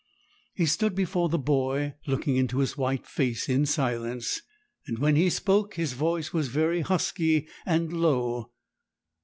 He stood before the boy, looking into his white face in silence, and when he spoke his voice was very husky and low.